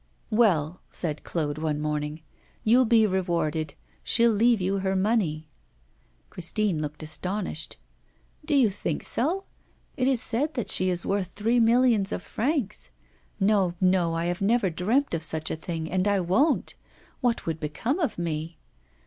'Well,' said Claude one morning, 'you'll be rewarded; she'll leave you her money.' Christine looked astonished. 'Do you think so? It is said that she is worth three millions of francs. No, no, I have never dreamt of such a thing, and I won't. What would become of me?